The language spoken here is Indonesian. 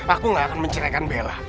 aku gak akan menceraikan bella